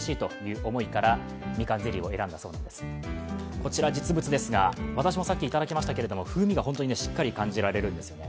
こちら実物ですが、私もさっきいただきましたけど、風味が本当にしっかり感じられるんですね。